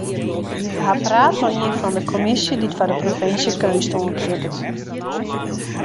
We ha praat mei ien fan de kommisje dy't foar de provinsje keunst oankeapet.